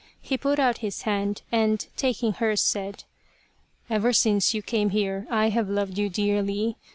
He put out his hand and taking hers said, " Ever since you came here I have loved you dearly.